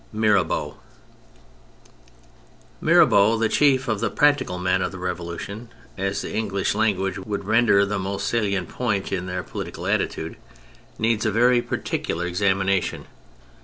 MIRABEAU Mirabeau, the chief of the " practical " men of the Revolution (as the English language would render the most salient point in their political attitude), needs a very particular 54 THE FRENCH REVOLUTION examination.